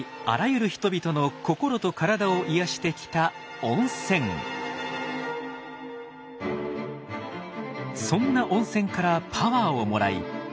あらゆる人々の心と体を癒やしてきたそんな温泉からパワーをもらい